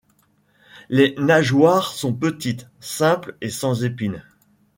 Les nageoires sont petites, simples et sans épine.